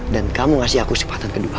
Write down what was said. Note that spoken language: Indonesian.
dan kamu ngasih aku kesempatan kedua